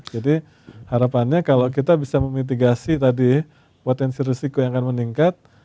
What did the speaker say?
jadi harapannya kalau kita bisa memitigasi tadi potensi risiko yang akan meningkat